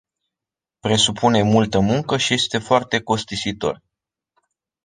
Presupune multă muncă și este foarte costisitor.